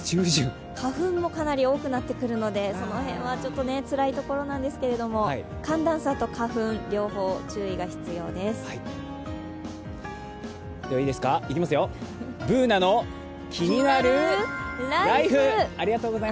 花粉もかなり多くなってくるので、その辺はちょっとつらいところなんですけども寒暖差と花粉、両方注意が必要です「ＢｏｏｎａのキニナルＬＩＦＥ」。